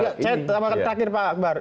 dan kemudian saya terakhir pak akbar